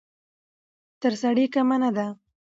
تر سړي کمه نه ده.